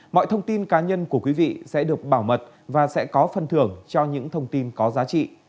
mọi thông tin cá nhân của quý vị sẽ được bảo mật và sẽ có phần thưởng cho những thông tin có giá trị